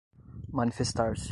manifestar-se